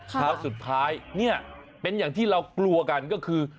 ครั้งสุดท้ายเนี่ยเป็นอย่างที่เรากลัวกันก็คือ